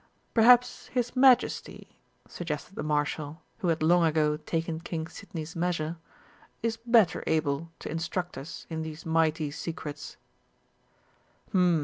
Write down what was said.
"Perhaps His Majesty," suggested the Marshal, who had long ago taken King Sidney's measure, "is better able to instruct us in these mighty secrets?"